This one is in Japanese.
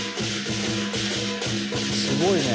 すごいね。